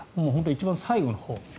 一番最後のほう。